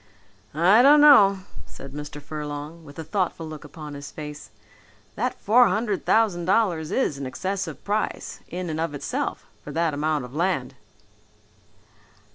"I don't know," said Mr. Furlong with a thoughtful look upon his face, "that four hundred thousand dollars is an excessive price, in and of itself, for that amount of land."